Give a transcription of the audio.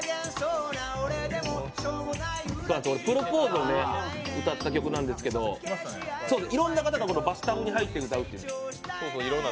プロポーズを歌った曲なんですけど、いろんな方がバスタブに入って歌うという。